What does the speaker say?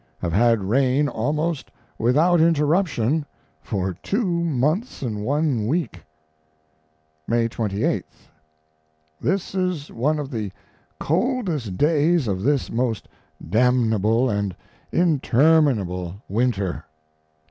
Have had rain almost without intermission for two months and one week. May 28th. This is one of the coldest days of this most damnable and interminable winter.